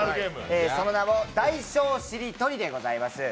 その名も大小しりとりでございます。